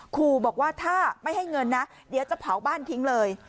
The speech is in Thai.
ครูบอกว่าถ้าไม่ให้เงินนะเดี๋ยวจะเผาบ้านทิ้งเลย